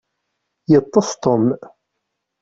Yeṭṭes Tom.